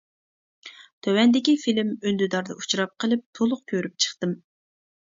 تۆۋەندىكى فىلىم ئۈندىداردا ئۇچراپ قېلىپ تولۇق كۆرۈپ چىقتىم.